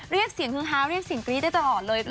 เรียกเสียงฮือฮาวเรียกเสียงกรี๊ดได้ตลอดเลย